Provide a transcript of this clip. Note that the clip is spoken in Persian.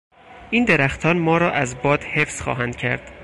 این درختان ما را از باد حفظ خواهند کرد.